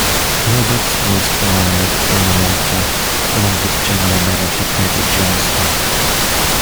Roberts was fired thereafter, along with General Manager Eddie Johnston.